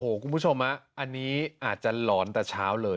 คุณผู้ชมอันนี้อาจจะหลอนแต่เช้าเลย